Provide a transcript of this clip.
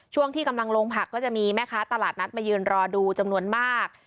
ช่วงที่กำลังลงผักก็จะมีแม่ค้าตลาดนัดมายืนรอดูจำนวนมาก